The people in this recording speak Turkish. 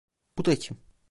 Bu da kim?